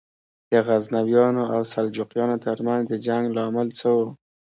د غزنویانو او سلجوقیانو تر منځ د جنګ لامل څه و؟